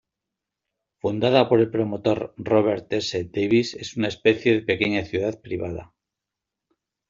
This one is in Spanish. Fundada por el promotor Robert S. Davis, es una especie de pequeña ciudad privada.